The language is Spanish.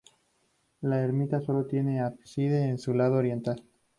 La ermita solo tiene un ábside en su lado oriental.